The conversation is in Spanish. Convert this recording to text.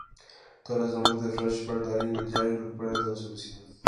Tras la muerte de Flash, Bart Allen, Jay recupera toda su velocidad.